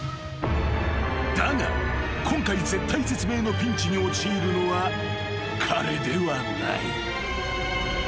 ［だが今回絶体絶命のピンチに陥るのは彼ではない］